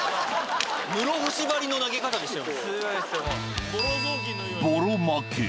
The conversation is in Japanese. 室伏ばりの投げ方でしたよ。